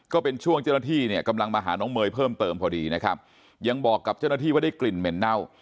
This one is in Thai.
ก็เป็นช่วงเจ้าหน้าที่เนี่ยกำลังมาหาน้องเมย์เพิ่มเติมพอดีนะครับยังบอกกับเจ้าหน้าที่ว่าได้กลิ่นเหม็นเน่า